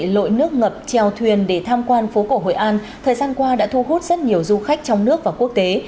lội nước ngập treo thuyền để tham quan phố cổ hội an thời gian qua đã thu hút rất nhiều du khách trong nước và quốc tế